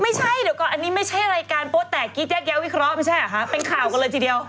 ไม่ใช่เดี๋ยวก่อนอันนี้ไม่ใช่รายการโป๊แตกกี้แยกแย้วิเคราะห์ไม่ใช่เหรอคะเป็นข่าวกันเลยทีเดียว